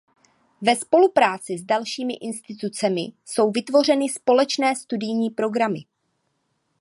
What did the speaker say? Ve spolupráci s dalšími institucemi jsou vytvořeny společné studijní programy.